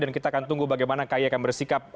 dan kita akan tunggu bagaimana kaye akan bersikap